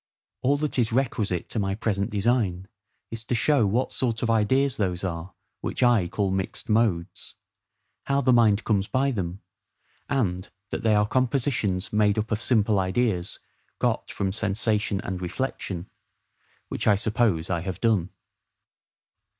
All that is requisite to my present design, is to show what sort of ideas those are which I call mixed modes; how the mind comes by them; and that they are compositions made up of simple ideas got from sensation and reflection; which I suppose I have done.